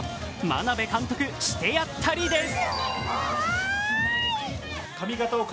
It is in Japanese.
眞鍋監督、してやったりです。